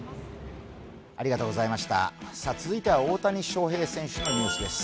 続いては大谷翔平選手のニュースです。